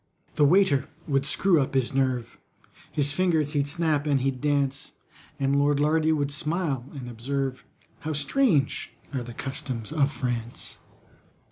The waiter would screw up his nerve, His fingers he'd snap and he'd dance— And LORD LARDY would smile and observe, "How strange are the customs of France!"